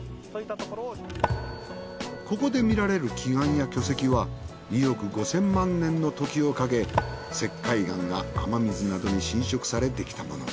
ここで見られる奇岩や巨石は２億５０００万年の時をかけ石灰岩が雨水などに浸食されできたもの。